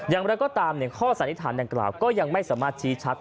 อย่างไรก็ตามข้อสันนิษฐานดังกล่าวก็ยังไม่สามารถชี้ชัด